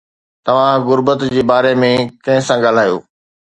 توهان غربت جي باري ۾ ڪنهن سان ڳالهايو؟